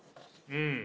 うん。